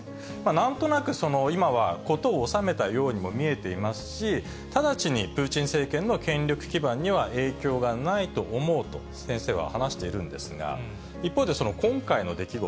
なんとなく、今は事を収めたようにも見えていますし、直ちにプーチン政権の権力基盤には影響がないと思うと、先生は話しているんですが、一方で、この今回の出来事。